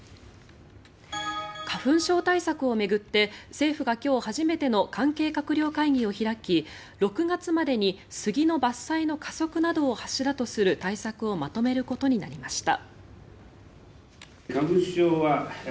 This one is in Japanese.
花粉症対策を巡って政府が今日、初めての関係閣僚会議を開き６月までに杉の伐採の加速などを柱とする対策をまとめることになりました。